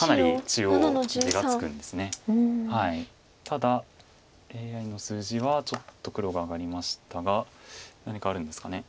ただＡＩの数字はちょっと黒が上がりましたが何かあるんですかね。